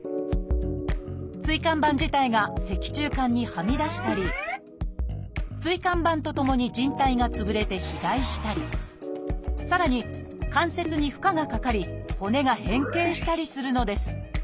椎間板自体が脊柱管にはみ出したり椎間板とともにじん帯が潰れて肥大したりさらに関節に負荷がかかり骨が変形したりするのです。